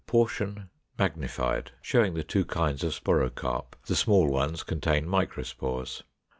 Portion magnified, showing the two kinds of sporocarp; the small ones contain microspores.